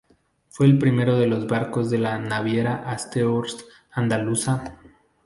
Fue el primero de los barcos de la Naviera Astur Andaluza.